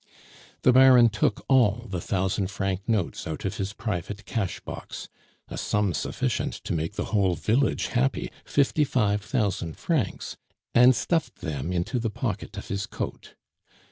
The Baron took all the thousand franc notes out of his private cash box a sum sufficient to make the whole village happy, fifty five thousand francs and stuffed them into the pocket of his coat.